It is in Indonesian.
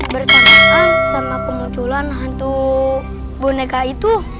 bersama sama kemunculan hantu boneka itu